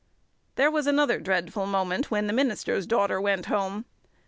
There was another dreadful moment when the minister's daughter went home.